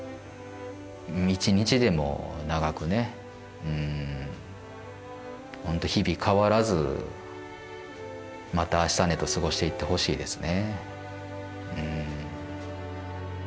一日でも長くねほんと日々変わらずまた明日ねと過ごしていってほしいですね。